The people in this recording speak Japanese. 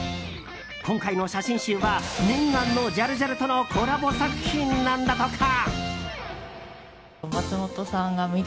今回の写真集は念願のジャルジャルとのコラボ作品なんだとか。